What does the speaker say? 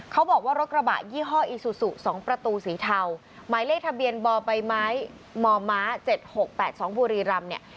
เขาบอกว่ารถกระบะยี่ห้ออีซูซู๒ประตูสีเทาหมายเลขทะเบียนบ่อใบไม้มม๗๖๘๒บุรีรำเนี่ย